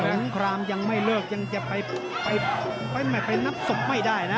งครามยังไม่เลิกยังจะไปนับศพไม่ได้นะ